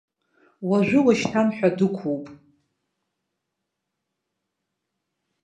Уажәыуажәшьҭан ҳәа дықәуп?!